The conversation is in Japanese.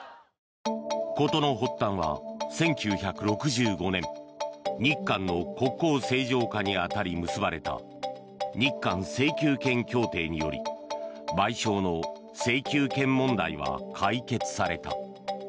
事の発端は１９６５年日韓の国交正常化に当たり結ばれた日韓請求権協定により賠償の請求権問題は解決された。